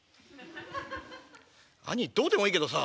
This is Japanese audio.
兄ぃどうでもいいけどさ